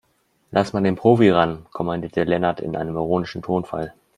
Lass mal den Profi ran, kommandierte Lennart in einem ironischen Tonfall.